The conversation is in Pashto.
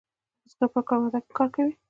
بزگر په کرونده کې کار کوي.